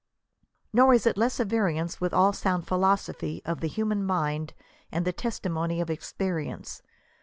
Nor is it less at variance with all sound philosophy of the human mind and the testimony of experience.